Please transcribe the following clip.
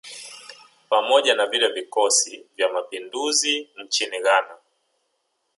Pamoja na vile vikosi vya mapinduzi nchini Ghana